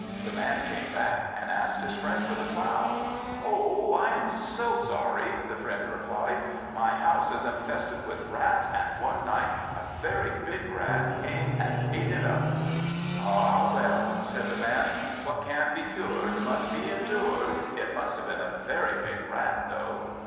The man came back, and asked his friend for the plough. "Oh, I am so sorry," the friend replied; "my house is infested with rats, and one night a very big rat came and ate it up." "Ah well," said the man, "what can't be cured must be endured! It must have been a very big rat, though."